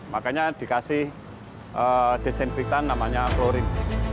makanya dikasih desinfektan namanya klorin